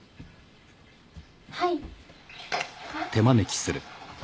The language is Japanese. はい。